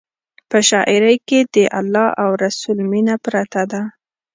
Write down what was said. په شاعرۍ کې د الله او رسول مینه پرته ده.